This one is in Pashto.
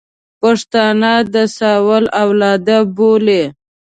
پښتانه د ساول اولاد بولي.